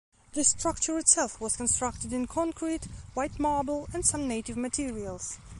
The structure itself was constructed in concrete, white marble and some native materials.